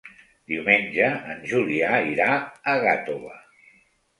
Diumenge en Julià irà a Gàtova.